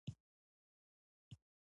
هېواد ته خدمت عبادت دی